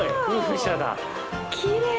きれい！